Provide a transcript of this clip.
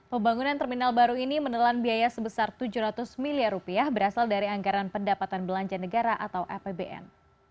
pembangunan terminal baru ini menelan biaya sebesar tujuh ratus miliar rupiah berasal dari anggaran pendapatan belanja negara atau apbn